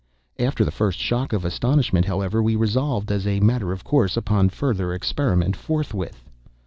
After the first shock of astonishment, however, we resolved, as a matter of course, upon further experiment forthwith.